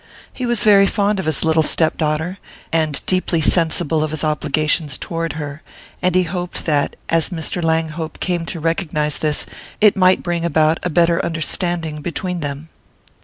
He was very fond of his little step daughter, and deeply sensible of his obligations toward her; and he hoped that, as Mr. Langhope came to recognize this, it might bring about a better understanding between them.